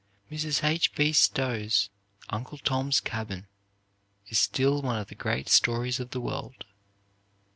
Mrs. H. B. Stowe's "Uncle Tom's Cabin" is still one of the great stories of the world.